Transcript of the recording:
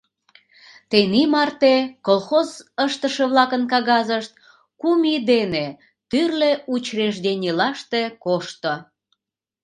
Тений марте колхоз ыштыше-влакын кагазышт кум ий дене тӱрлӧ учрежденийлаште кошто.